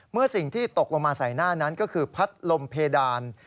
เมื่อสิ่งที่ตกลงมาใส่หน้านั้นก็คือพัดลมเพดาน